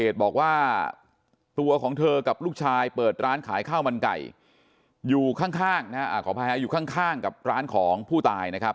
ตัวของเธอกับลูกชายเปิดร้านขายข้าวมันไก่อยู่ข้างกับร้านของผู้ตายนะครับ